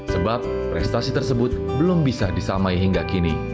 sebab prestasi tersebut belum bisa disamai hingga kini